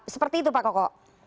seperti itu pak koko